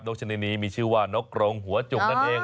ชนิดนี้มีชื่อว่านกกรงหัวจุกนั่นเอง